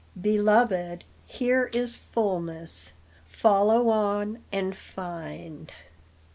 Beloved, here is fulness; follow on and find."